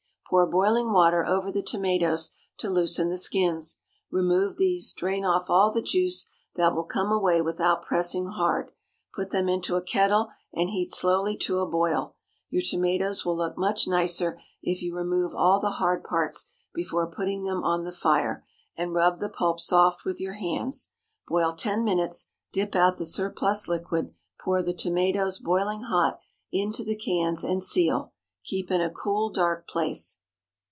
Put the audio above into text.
Pour boiling water over the tomatoes to loosen the skins. Remove these; drain off all the juice that will come away without pressing hard; put them into a kettle and heat slowly to a boil. Your tomatoes will look much nicer if you remove all the hard parts before putting them on the fire, and rub the pulp soft with your hands. Boil ten minutes, dip out the surplus liquid, pour the tomatoes, boiling hot, into the cans, and seal. Keep in a cool, dark place.